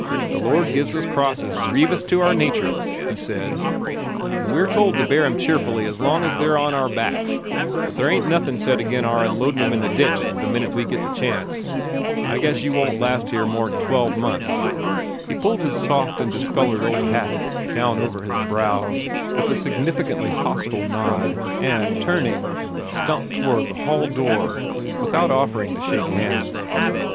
"The Lord gives us crosses grievous to our natur'," he said, "an' we're told to bear 'em cheerfully as long as they're on our backs; but there ain't nothin' said agin our unloadin' 'em in the ditch the minute we git the chance. I guess you won't last here more 'n a twelvemonth." He pulled his soft and discolored old hat down over his brows with a significantly hostile nod, and, turning, stumped toward the hall door without offering to shake hands.